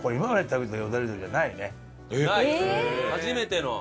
初めての？